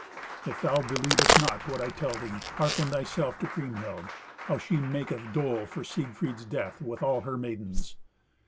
"If thou believest not what I tell thee, hearken thyself to Kriemhild, how she maketh dole for Siegfried's death with all her maidens."